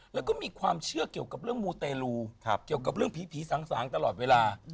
แล้วก็มีความเชื่อเกี่ยวกับเรื่องมูเตรลูเกี่ยวกับเรื่องผีสางตลอดเวลา